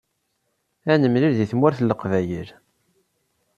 Ad nemlil deg Tmurt n Leqbayel.